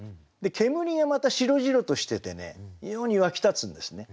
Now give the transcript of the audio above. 煙がまた白々としててね異様にわき立つんですね。